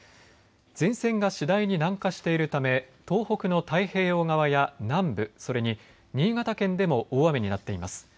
前線が次第に南下しているため東北の太平洋側や南部、それに新潟県でも大雨になっています。